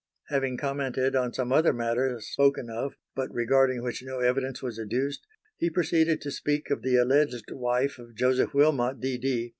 Having commented on some other matters spoken of, but regarding which no evidence was adduced, he proceeded to speak of the alleged wife of Joseph Wilmot D. D.